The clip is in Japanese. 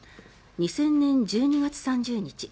２０００年１２月３０日